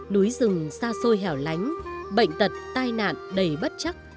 núi rừng xa xôi hẻo lánh bệnh tật tai nạn đầy bất chắc